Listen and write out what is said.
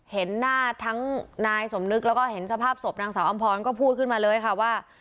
เห็นหน้าทั้งนายสมนึกแล้วก็เห็นสภาพศพนางสาวอำพรก็พูดขึ้นมาเลยค่ะว่า